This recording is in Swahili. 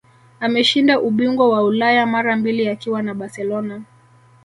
Ameshinda ubingwa wa Ulaya mara mbili akiwa na Barcelona